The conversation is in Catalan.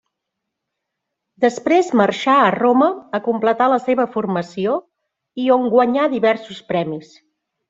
Després marxà a Roma a completar la seva formació i on guanyà diversos premis.